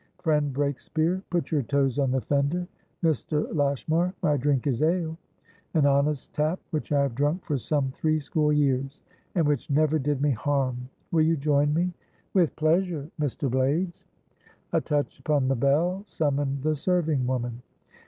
Friend Breakspeare, put your toes on the fender. Mr. Lashmar, my drink is ale; an honest tap which I have drunk for some three score years, and which never did me harm. Will you join me?" "With pleasure, Mr. Blaydes." A touch upon the bell summoned the serving woman.